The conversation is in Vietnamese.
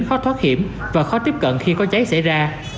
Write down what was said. khó thoát hiểm và khó tiếp cận khi có cháy xảy ra